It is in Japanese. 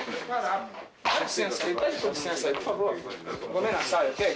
ごめんなさい。